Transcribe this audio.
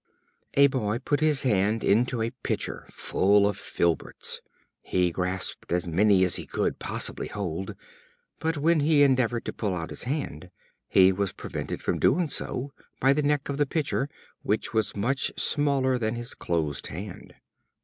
A Boy put his hand into a pitcher full of filberts. He grasped as many as he could possibly hold, but when he endeavored to pull out his hand, he was prevented from doing so by the neck of the pitcher, which was much smaller than his closed hand.